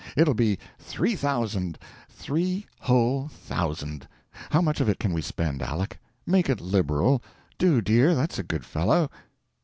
"It'll be three thousand three whole thousand! how much of it can we spend, Aleck? Make it liberal! do, dear, that's a good fellow."